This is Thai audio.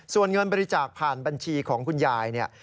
ส่วนเงินบริจาคผ่านบัญชีของคุณยายเนี่ย